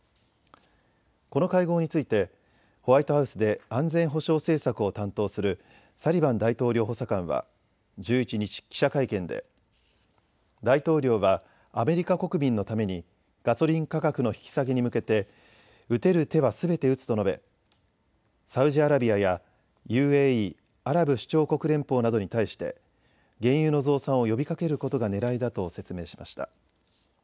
この会合についてホワイトハウスで安全保障政策を担当するサリバン大統領補佐官は１１日、記者会見で大統領はアメリカ国民のためにガソリン価格の引き下げに向けて打てる手はすべて打つと述べ、サウジアラビアやＵＡＥ・アラブ首長国連邦などに対して原油の増産を呼びかけることがねらいだと説明しました。